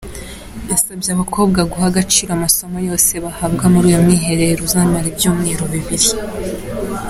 Yasabye aba bakobwa guha agaciro amasomo yose bahabwa muri uyu mwiherero uzamara ibyumweru bibiri.